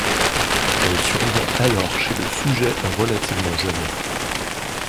Elle survient alors chez le sujet relativement jeune.